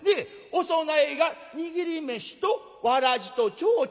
お供えが握り飯とわらじとちょうちんのろうそく。